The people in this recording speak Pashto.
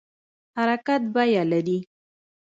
حرکت بیه لري